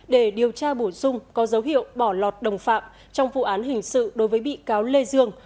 để điều tra bổ sung có dấu hiệu bỏ lọt đồng phạm trong vụ án hình sự đối với bị cáo lê dương